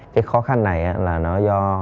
cái khó khăn này là nó do